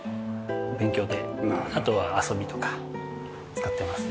あとは遊びとか使ってますね。